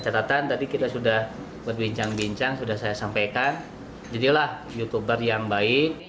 catatan tadi kita sudah berbincang bincang sudah saya sampaikan jadilah youtuber yang baik